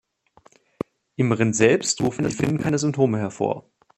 Im Rind selbst rufen die Finnen keine Symptome hervor.